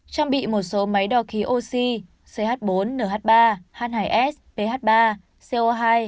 trang bị một số máy đo khí oxy ch bốn nh ba h hai s ph ba co hai